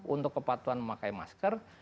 untuk kepatuhan memakai masker